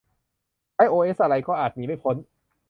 ใช้โอเอสอะไร ก็อาจหนีไม่พ้น